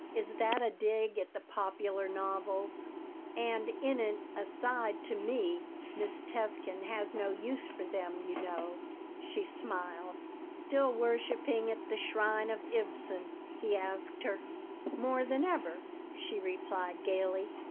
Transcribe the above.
"Is that a dig at the popular novels?" And in an aside to me, "Miss Tevkin has no use for them, you know." She smiled "Still worshiping at the shrine of Ibsen?" he asked her "More than ever," she replied, gaily.